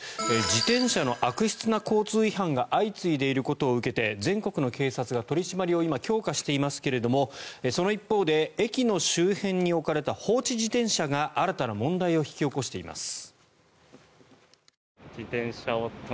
自転車の悪質な交通違反が相次いでいることを受けて全国の警察が取り締まりを今、強化していますがその一方で駅の周辺に置かれた放置自転車が新たな問題を引き起こしています。